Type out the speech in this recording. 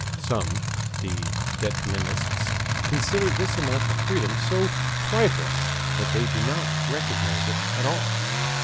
Some the determinists consider this amount of freedom so trifling that they do not recognize it at all.